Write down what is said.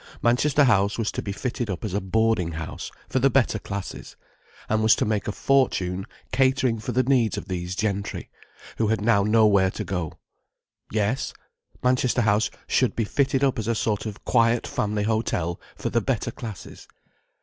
Manchester House was to be fitted up as a boarding house for the better classes, and was to make a fortune catering for the needs of these gentry, who had now nowhere to go. Yes, Manchester House should be fitted up as a sort of quiet family hotel for the better classes.